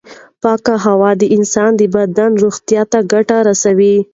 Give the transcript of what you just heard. پاکه هوا د انسان د بدن روغتیا ته ډېره ګټه رسوي.